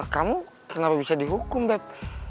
kamu kenapa bisa dihukum bet